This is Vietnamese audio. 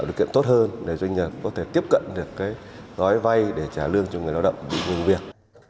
các doanh nghiệp tốt hơn để doanh nghiệp có thể tiếp cận được cái gói vay để trả lương cho người lao động bị ngưng việc